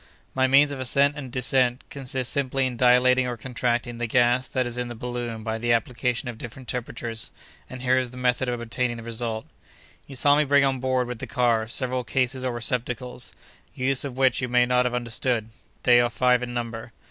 "My means of ascent and descent consist simply in dilating or contracting the gas that is in the balloon by the application of different temperatures, and here is the method of obtaining that result. "You saw me bring on board with the car several cases or receptacles, the use of which you may not have understood. They are five in number.